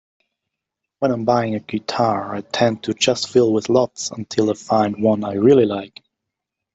When I'm buying a guitar I tend to just fiddle with lots until I find one I really like.